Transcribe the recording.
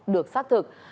được xác thực